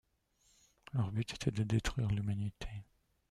Leur but était de détruire l'Humanité.